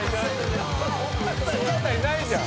尾形いないじゃん。